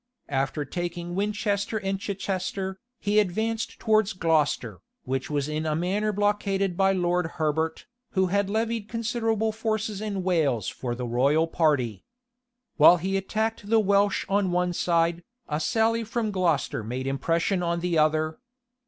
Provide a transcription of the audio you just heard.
After taking Winchester and Chichester, he advanced towards Gloucester, which was in a manner blockaded by Lord Herbert, who had levied considerable forces in Wales for the royal party.[] While he attacked the Welsh on one side, a sally from Gloucester made impression on the other.